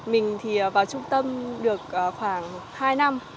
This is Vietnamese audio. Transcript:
mình thì vào trung tâm được khoảng hai năm